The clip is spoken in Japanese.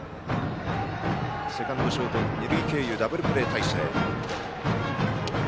セカンド、ショート二塁経由のダブルプレー隊形。